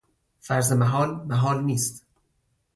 فرض محال محال نیست.